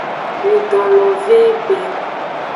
Nyidon lo ve egbe.